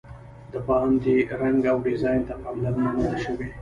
د باندې رنګ او ډیزاین ته پاملرنه نه ده شوې.